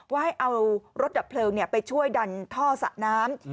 ว่าให้เอารถดับเพลิงไปช่วยดันท่อสระน้ำ